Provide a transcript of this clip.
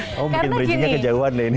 kamu bikin berizimnya kejauhan nih ini